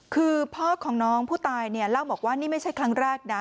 คือพ่อของน้องผู้ตายเนี่ยเล่าบอกว่านี่ไม่ใช่ครั้งแรกนะ